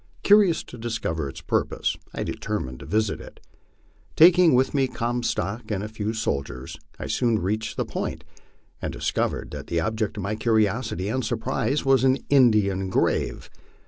Curious to discover its purpose, I determined to visit it. Taking with me Comstock and a few soldiers, I soon reached the point, and discovered that the object of my curiosity and surprise was an Indian grave.